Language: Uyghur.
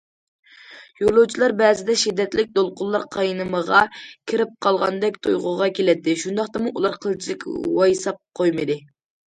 يولۇچىلار بەزىدە شىددەتلىك دولقۇنلار قاينىمىغا كىرىپ قالغاندەك تۇيغۇغا كېلەتتى، شۇنداقتىمۇ ئۇلار قىلچىلىك ۋايساپ قويمىدى.